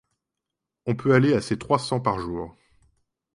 On peut aller à ses trois cents par jour.